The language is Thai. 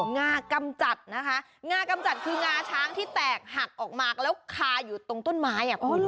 งากำจัดนะคะงากำจัดคืองาช้างที่แตกหักออกมาแล้วคาอยู่ตรงต้นไม้อ่ะคุณ